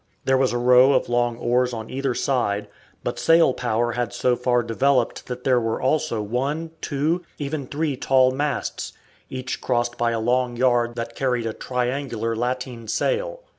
There was a row of long oars on either side, but sail power had so far developed that there were also one, two, even three tall masts, each crossed by a long yard that carried a triangular lateen sail.